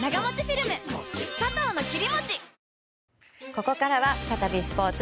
ここからは再びスポーツ。